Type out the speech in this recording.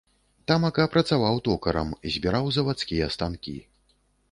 Тамака працаваў токарам, збіраў завадскія станкі.